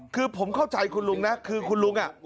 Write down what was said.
คือผมเข้าใจคุณลุงนะคือคุณลุง